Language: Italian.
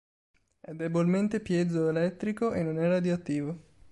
È debolmente piezoelettrico e non è radioattivo.